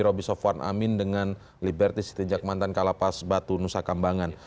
roby sofwan amin dengan liberty sitinjak mantan kalapas batu nusa kambangan